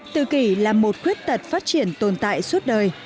tự kỷ là một khuyết tật phát triển tồn tại suốt đời